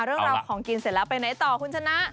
เรื่องราวของกินเสร็จแล้วไปไหนต่อคุณชนะ